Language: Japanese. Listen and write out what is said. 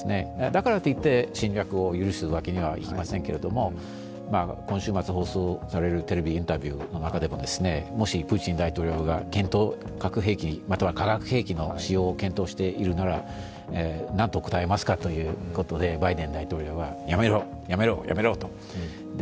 だからといって、侵略を許すわけにはいきませんけれども、今週末、放送されるテレビインタビューの中でももしプーチン大統領が、核兵器、化学兵器の使用を検討しているなら、なんと答えますかということでバイデン大統領はやめろ、やめろ、やめろと。